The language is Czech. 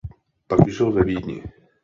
Pak žil ve Vídni.